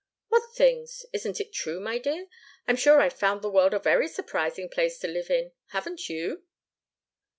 "What things? Isn't it true, my dear? I'm sure I've found the world a very surprising place to live in. Haven't you?"